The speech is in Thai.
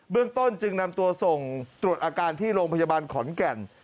เรื่องต้นจึงนำตัวส่งตรวจอาการที่โรงพยาบาลขอนแก่น